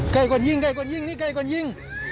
ไก่ก่อนยิงไก่ก่อนยิงมีลูกใก่ก่อนยิง